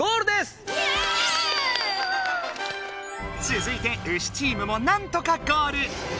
つづいてウシチームもなんとかゴール。